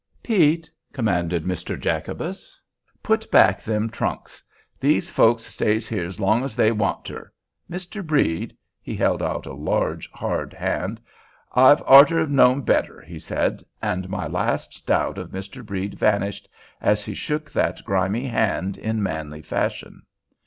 "Pete!" commanded Mr. Jacobus, "put back them trunks. These folks stays here's long's they wants ter. Mr. Brede"—he held out a large, hard hand—"I'd orter've known better," he said. And my last doubt of Mr. Brede vanished as he shook that grimy hand in manly fashion.